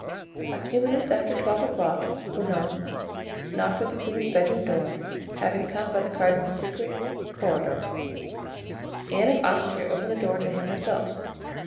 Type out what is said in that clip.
A few minutes after twelve o'clock Bernouin knocked at the queen's bedroom door, having come by the cardinal's secret corridor. Anne of Austria opened the door to him herself.